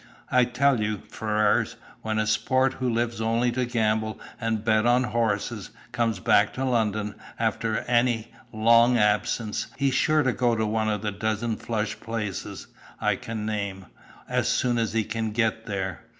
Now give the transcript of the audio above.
I tell you, Ferrars, when a sport who lives only to gamble and bet on horses, comes back to London after any long absence, he's sure to go to one of a dozen flush places I can name, as soon as he can get there.